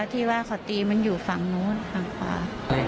แต่พอที่ว่าขอตีมันอยู่ฝั่งนู้นฝั่งฟ้า